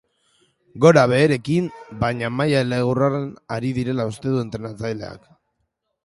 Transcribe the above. Gora-beherekin, baina maila erregularrean ari direla uste du entrenatzaileak.